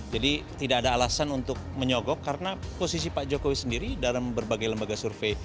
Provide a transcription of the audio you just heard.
jadi tidak ada alasan untuk menyogok karena posisi pak jokowi sendiri dalam berbagai lembaga survei